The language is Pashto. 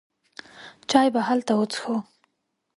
چای به هلته وڅښو.